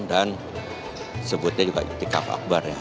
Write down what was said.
dan sebutnya juga itikaf akbar ya